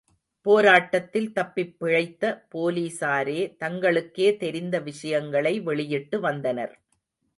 போராட்டத்தில் தப்பிப்பிழைத்த போலிஸாரே தங்களுக்கே தெரிந்த விஷயங்களை வெளியிட்டு வந்தனர்.